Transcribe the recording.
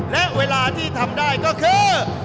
และเวลาที่ทำได้ก็คือ